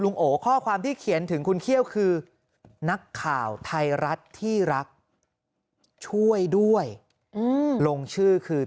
โอข้อความที่เขียนถึงคุณเขี้ยวคือนักข่าวไทยรัฐที่รักช่วยด้วยลงชื่อคือ